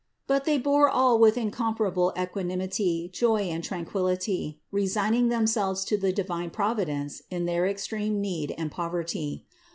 But they bore all with incomparable equanimity, joy and tranquillity, resigning themselves to the divine Providence in their extreme need and poverty.